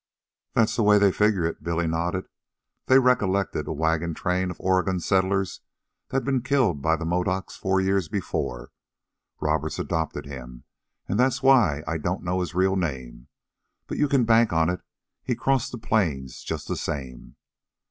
"That's the way they figured it," Billy nodded. "They recollected a wagon train of Oregon settlers that'd been killed by the Modocs four years before. Roberts adopted him, and that's why I don't know his real name. But you can bank on it, he crossed the plains just the same."